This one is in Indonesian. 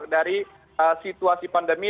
dari situasi pandemi